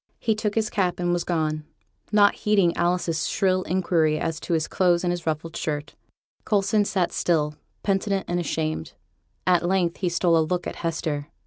He took his cap and was gone, not heeding Alice's shrill inquiry as to his clothes and his ruffled shirt. Coulson sat still, penitent and ashamed; at length he stole a look at Hester.